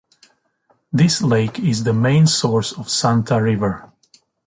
This lake is the main source of Santa River.